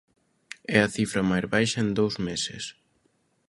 É a cifra máis baixa en dous meses.